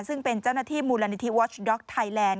ซึ่งเป็นเจ้าหน้าที่มูลนิธิวอชด็อกไทยแลนด